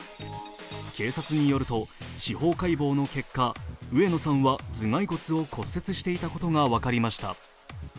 警察によると、司法解剖の結果、上野さんは頭蓋骨を骨折していたことが分かりました。